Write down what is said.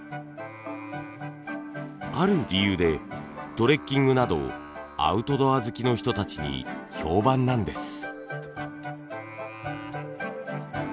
ある理由でトレッキングなどアウトドア好きの人たちに評判なんです。